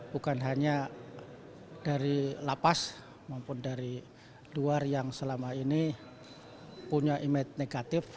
bukan hanya dari lapas maupun dari luar yang selama ini punya image negatif